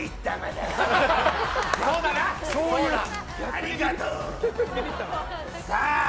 ありがとう。